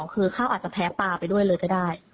คือเขาอาจจะแพ้ปลาไปด้วยเลยก็ได้